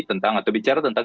tentang atau bicara tentang